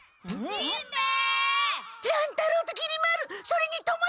しんべヱ！